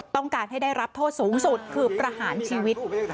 ต้องการให้ได้รับโทษสูงสุดคือประหารชีวิต